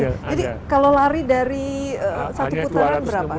jadi kalau lari dari satu putaran berapa